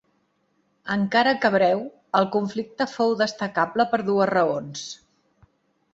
Encara que breu, el conflicte fou destacable per dues raons.